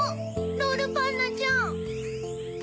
ロールパンナちゃん。